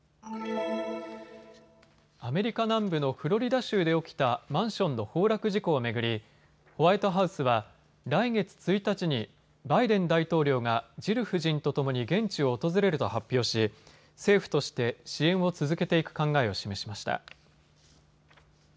アメリカ南部のフロリダ州で起きたマンションの崩落事故を巡り、ホワイトハウスは来月１日にバイデン大統領がジル夫人とともに現地を訪れると発表し政府として支援を続けていく考えを示しました。